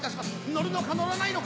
のるのかのらないのか？